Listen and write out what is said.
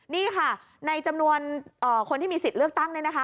นี่ค่ะในจำนวนคนที่มีสิทธิ์เลือกตั้งเนี่ยนะคะ